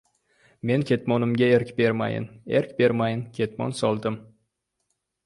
Men ketmonimga erk bermayin-erk bermayin ketmon soldim.